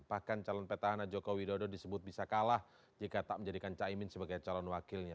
bahkan calon petahana jokowi dodo disebut bisa kalah jika tak menjadikan caimin sebagai calon wakilnya